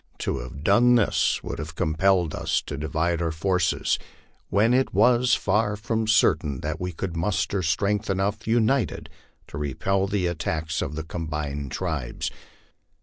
To have done this would have compelled us to divide our forces, when it was far from cer tain that we could muster strength enough united to repel the attacks of the combined tribes.